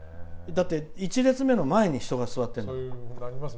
だって、１列目の前に人が座ってるの。